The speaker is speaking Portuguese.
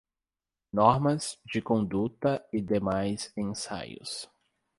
Normas de conduta e demais ensaios